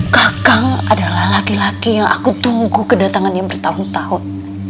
kakang adalah laki laki yang aku tunggu kedatangan yang bertahun tahun